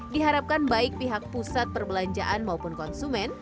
diharapkan baik pihak pusat perbelanjaan maupun konsumen